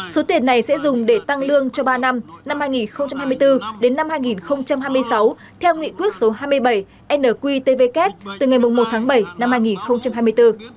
số tiền này sẽ dùng để tăng lương cho ba năm năm hai nghìn hai mươi bốn đến năm hai nghìn hai mươi sáu theo nghị quyết số hai mươi bảy nqtvk từ ngày một tháng bảy năm hai nghìn hai mươi bốn